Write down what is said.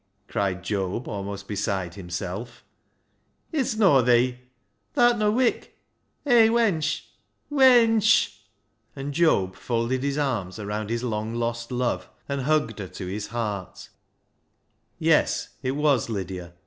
" cried Job, almost beside 4o6 BECKSIDE LIGHTS himself. " It's no' thee ! Tha'rt no' vvik ! Hay, wench 1 W e n c h." And Job folded his arms around his long lost love, and hugged her to his heart. Yes, it was Lydia.